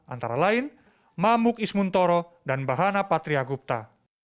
antara lain mamuk ismuntoro dan bahana patria gupta